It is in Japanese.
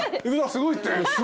すごいって。